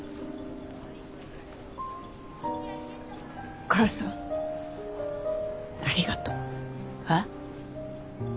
お母さんありがとう。え？